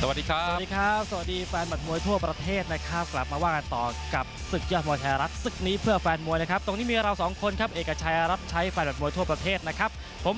สวัสดีครับสวัสดีสวัสดีสวัสดีแฟนหมดมวยทั่วประเทศนะครับ